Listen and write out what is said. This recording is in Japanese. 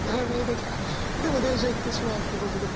でも電車行ってしまうっていうことで。